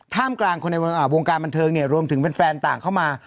กลางคนในวงการบันเทิงเนี่ยรวมถึงแฟนต่างเข้ามา